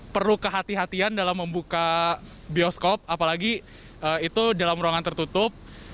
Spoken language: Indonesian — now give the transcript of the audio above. perlu kehatian kehatian dalam membuka bioskop apalagi itu dalam ruangan tertutup